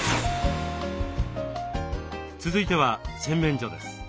続いては洗面所です。